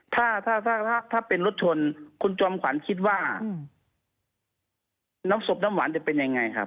ถ้าถ้าเป็นรถชนคุณจอมขวัญคิดว่าน้ำศพน้ำหวานจะเป็นยังไงครับ